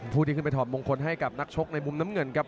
ที่ขึ้นไปถอดมงคลให้กับนักชกในมุมน้ำเงินครับ